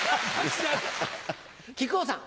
木久扇さん。